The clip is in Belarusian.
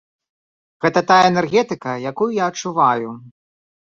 Гэта тая энергетыка, якую я адчуваю.